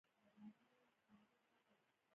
فلم د ذهن ښکارندوی دی